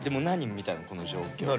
みたいなこの状況。